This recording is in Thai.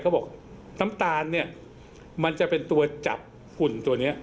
เขาบอกน้ำตาลเนี่ยมันจะเป็นตัวจับฝุ่นตัวนี้